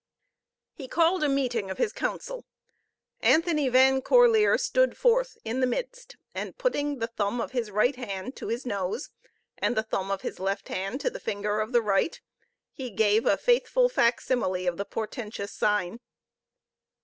He called a meeting of his council. Anthony Van Corlear stood forth in the midst, and putting the thumb of his right hand to his nose, and the thumb of his left hand to the finger of the right, he gave a faithful fac simile of the portentous sign.